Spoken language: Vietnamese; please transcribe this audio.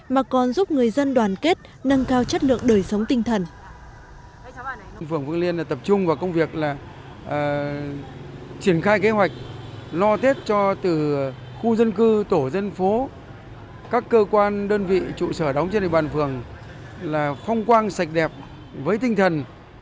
mà còn giúp người dân đoàn kết nâng cao chất lượng đời sống tinh thần